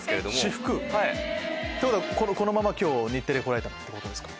私服ってことはこのまま今日日テレ来られたってことですか。